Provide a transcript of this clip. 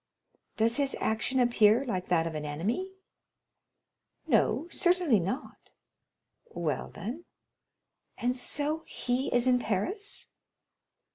"Does his action appear like that of an enemy?" "No; certainly not." "Well, then——" "And so he is in Paris?"